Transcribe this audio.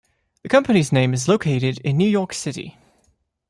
The company's name is located in New York City.